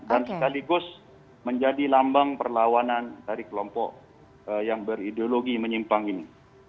dan sekaligus menjadi lambang perlawanan dari kelompok yang berideologi menyimpang ini